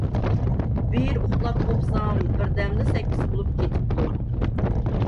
بىر ئۇخلاپ قوپسام، بىردەمدە سەككىز بولۇپ كېتىپتۇ.